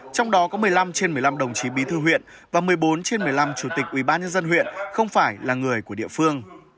trong đó có một mươi năm trên một mươi năm đồng chí bí thư huyện và một mươi bốn trên một mươi năm chủ tịch ubnd huyện không phải là người của địa phương